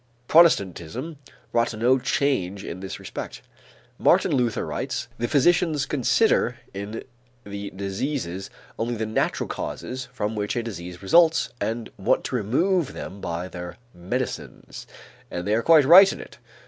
Protestantism brought no change in this respect. Martin Luther writes: "The physicians consider in the diseases only the natural causes from which a disease results and want to remove them by their medicines, and they are quite right in it.